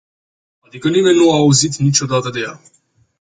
Adică nimeni nu a auzit niciodată de ea.